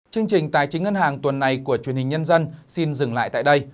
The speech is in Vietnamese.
chương trình tài chính ngân hàng tuần này của truyền hình nhân dân xin dừng lại tại đây